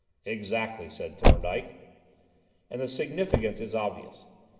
"Exactly," said Thorndyke, "and the significance is obvious.